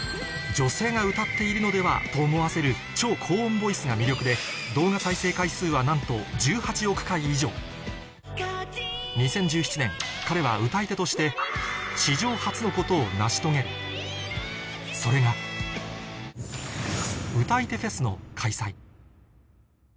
「女性が歌っているのでは？」と思わせる超高音ボイスが魅力で動画再生回数はなんと１８億回以上２０１７年彼は「歌い手」として史上初のことを成し遂げるそれがの開催